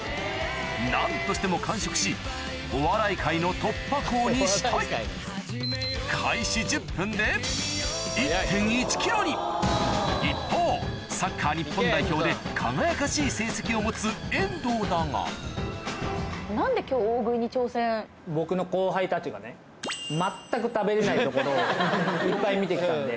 何としても完食しお笑い界の突破口にしたい一方サッカー日本代表で輝かしい成績を持つ遠藤だが全く食べれないところをいっぱい見てきたんで。